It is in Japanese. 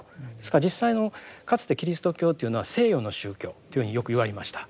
実際のかつてキリスト教というのは西洋の宗教というふうによく言われました。